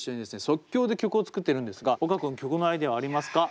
即興で曲を作っているんですが岡君曲のアイデアはありますか？